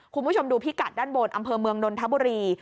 คุณผู้ชมดูพิกัดด้านบนอำเภอเมืองนนทบุรี